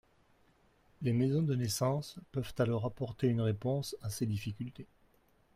Les maisons de naissance peuvent alors apporter une réponse à ces difficultés.